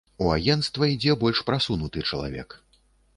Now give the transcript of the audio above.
У агенцтва ідзе больш прасунуты чалавек.